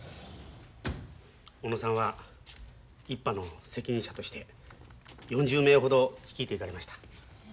小野さんは１班の責任者として４０名ほど率いていかれました。